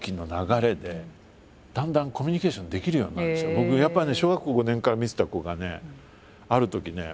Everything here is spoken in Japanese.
僕やっぱね小学校５年から見てた子がねあるときね